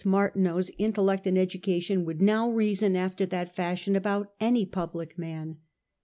Martineau's intellect and education would now reason after that fashion about any public man.